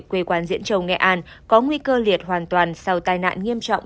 quê quán diễn châu nghệ an có nguy cơ liệt hoàn toàn sau tai nạn nghiêm trọng